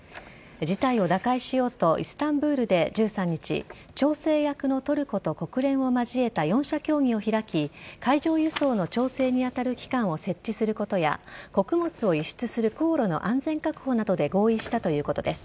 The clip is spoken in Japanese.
事態を打開しようとイスタンブールで１３日調整役のトルコと国連を交えた４者協議を開き海上輸送の調整に当たる機関を設置することや穀物を輸出する航路の安全確保などで合意したということです。